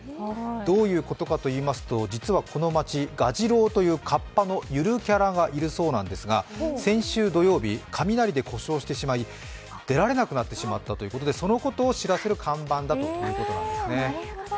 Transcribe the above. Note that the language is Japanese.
どういうことかといいますと実はこの町、ガジロウというかっぱのゆるキャラがいるそうなんですが先週土曜日、雷で故障してしまい出られなくなってしまったということでそのことを知らせる看板だということですね。